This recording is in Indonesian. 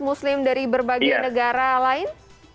muslim dari berbagai negara lain